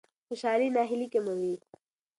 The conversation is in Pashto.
خوشالي ناهیلي کموي.